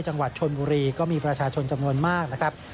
จังหวัดชนบุรีก็มีประชาชนจำนวนมากนะครับ